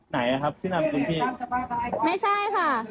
ไหนครับชื่อนำว่าคุณพี่ไม่ใช่ค่ะ